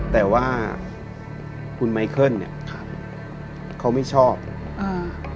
แต่ว่าคุณไมเคิลเนี้ยครับเขาไม่ชอบอ่า